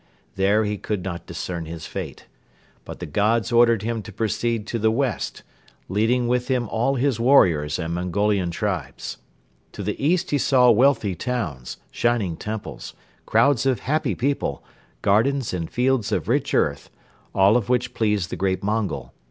There he could not discern his fate. But the gods ordered him to proceed to the west, leading with him all his warriors and Mongolian tribes. To the east he saw wealthy towns, shining temples, crowds of happy people, gardens and fields of rich earth, all of which pleased the great Mongol.